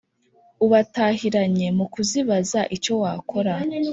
ubatahiranye mu kuzibaza icyo wakora,